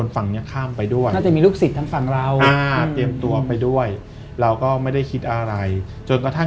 เพราะหลวงพ่อวันนี้ดัง